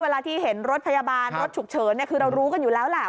เวลาที่เห็นรถพยาบาลรถฉุกเฉินคือเรารู้กันอยู่แล้วแหละ